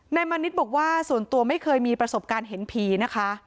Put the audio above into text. มานิดบอกว่าส่วนตัวไม่เคยมีประสบการณ์เห็นผีนะคะ